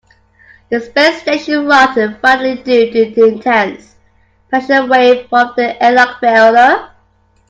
The space station rocked violently due to the intense pressure wave from the airlock failure.